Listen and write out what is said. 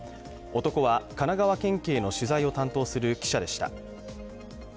男は神奈川県警の取材を担当する記者でした。